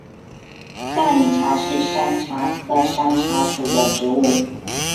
大理茶是山茶科山茶属的植物。